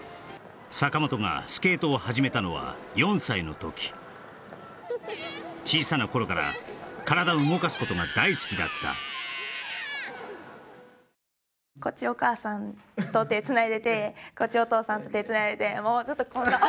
坂本がスケートを始めたのは４歳の時小さな頃から体を動かすことが大好きだったこっちお母さんと手つないでてこっち